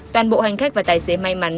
toàn bộ hành khách và tài xế may mắn